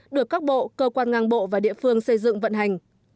được các bộ cơ quan ngang bộ và địa phương xây dựng vận hành